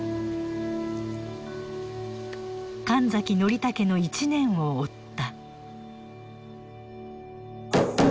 神崎宣武の一年を追った。